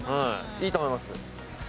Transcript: いいと思います。